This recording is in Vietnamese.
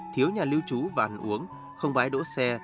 thiếu nhà lưu trú và ăn uống không bái đỗ xe